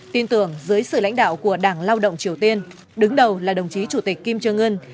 tin tưởng dưới sự lãnh đạo của đảng lao động triều tiên đứng đầu là đồng chí chủ tịch kim trương ngân